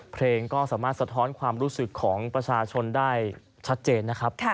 เพลงก็สามารถสะท้อนความรู้สึกของประชาชนได้ชัดเจนนะครับ